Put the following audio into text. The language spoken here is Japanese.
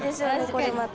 これまた。